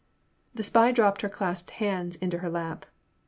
The spy dropped her clasped hands into her lap.